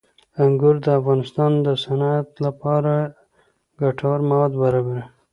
انګور د افغانستان د صنعت لپاره ګټور مواد برابروي.